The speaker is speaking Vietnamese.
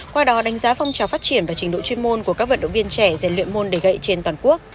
qua đó đánh giá phong trào phát triển và trình độ chuyên môn của các vận động viên trẻ rèn luyện môn để gậy trên toàn quốc